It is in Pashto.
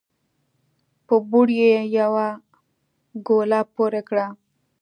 په بوړ يې يوه ګوله پورې کړه